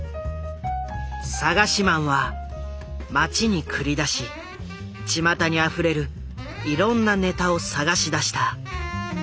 探しマンは街に繰り出しちまたにあふれるいろんなネタを探し出した。